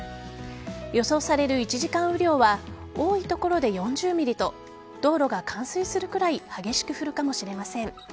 予想される１時間雨量は多い所で４０ｍｍと道路が冠水するくらい激しく降るかもしれません。